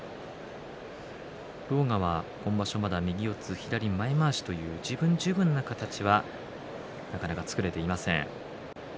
狼雅は今場所まだ右四つ、左前まわしという自分十分の形はなかなか作れていません。